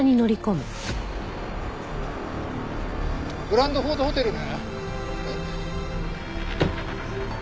グランドフォードホテルね。